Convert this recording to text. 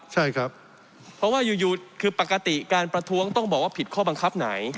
ใช่ครับเพราะว่าอยู่คือปกติการประท้วงต้องบอกว่าผิดข้อบังคับไหน